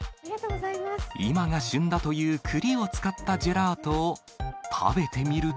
今が旬だというクリを使ったジェラートを食べてみると。